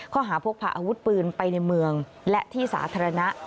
ข้อหาพกพาอาวุธปืนไปในเมืองและที่สาธารณะ